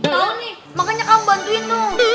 tau nih makanya kamu bantuin dong